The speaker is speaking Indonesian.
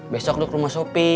besok duk rumah sopi